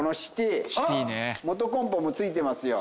モトコンポも付いてますよ